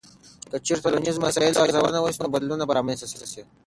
که چیرې د ټولنیزو مسایلو ارزونه وسي، نو بدلونونه به رامنځته سي.